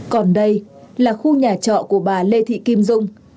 còn đây là khu nhà trọ của bà lê thị kim dung